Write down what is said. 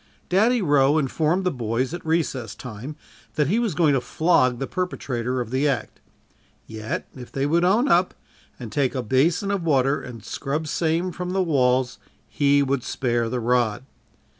"Daddy" Roe informed the boys at recess time that he was going to flog the perpetrator of the act yet, if they would own up, and take a basin of water and scrub same from the walls, he would spare the rod.